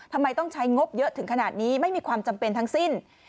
ทำไมต้องใช้งบเยอะถึงขนาดนี้ไม่มีความจำเป็นทั้งสิ้น